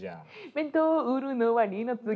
「弁当売るのは二の次三の次」